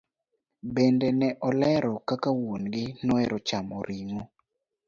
Bende ne olero kaka wuon gi nohero chamo ring'o.